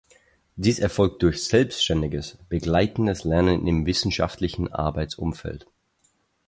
Dies erfolgt durch selbstständiges, begleitendes Lernen in einem wissenschaftlichen Arbeitsumfeld.